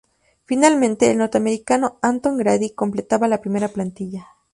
Finalmente, el norteamericano Anton Grady completaba la primera plantilla.